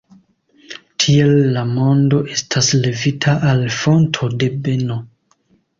Tiel la mondo estas levita al fonto de beno.